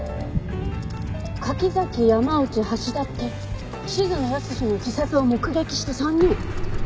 「柿崎」「山内」「橋田」って静野保志の自殺を目撃した３人。